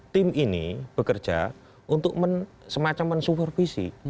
tim ini bekerja untuk semacam mensupervisi